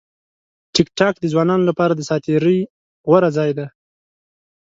ټیکټاک د ځوانانو لپاره د ساعت تېري غوره ځای دی.